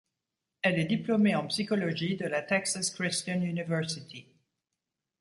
Elle est diplômée en psychologie de la Texas Christian University.